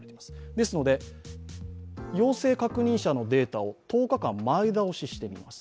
ですので陽性確認者のデータを１０日間前倒ししてみます。